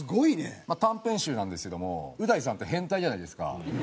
まあ短編集なんですけどもう大さんって変態じゃないですかコントも。